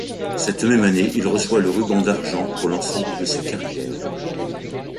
Cette même année, il reçoit le ruban d'argent pour l'ensemble de sa carrière.